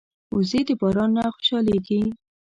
وزې د باران نه خوشحالېږي